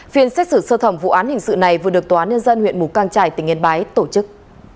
phiên xét xử sơ thẩm vụ án hình sự này vừa được tòa án nhân dân huyện mù căng trải tỉnh yên bái tổ chức